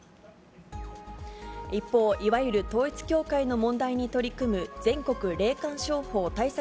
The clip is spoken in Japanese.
一方、いわゆる統一教会の問題に取り組む全国霊感商法対策